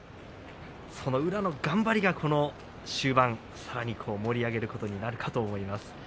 宇良の頑張りが終盤さらに盛り上げることになるかと思います。